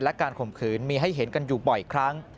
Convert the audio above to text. และการข่มขืนมีให้เห็นกันอยู่บ่อยครั้ง